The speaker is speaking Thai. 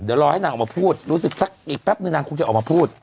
เดี๋ยวรอให้นางออกมาพูดรู้สึกสักอีกแป๊บนึงนางคงจะออกมาพูด